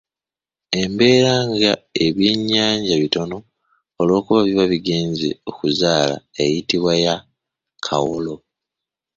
Embeera nga ebyennyanja bitono olwokuba biba bigenze okuzaala eyitibwa ya Kawolo.